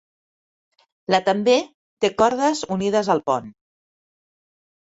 La també té cordes unides al pont.